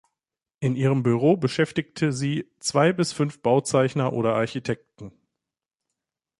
In ihrem Büro beschäftigte sie zwei bis fünf Bauzeichner oder Architekten.